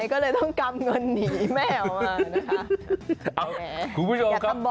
ก็เลยต้องกำเงินหนีแม่ออกมานะคะ